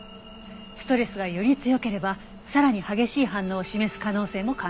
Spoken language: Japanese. ストレスがより強ければさらに激しい反応を示す可能性も考えられます。